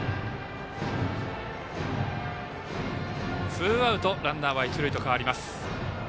ツーアウトランナーは一塁と変わります。